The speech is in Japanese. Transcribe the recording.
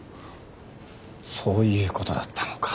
そういう事だったのか。